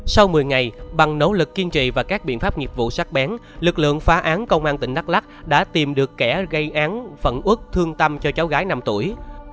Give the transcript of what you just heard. sau một mươi ngày bằng nỗ lực kiên trì và các biện pháp nghiệp vụ sát bén lực lượng phá án công an tỉnh đắk lắc đã tìm được kẻ gây án phần út thương tâm cho cháu gái năm tuổi